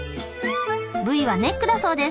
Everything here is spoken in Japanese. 部位はネックだそうです。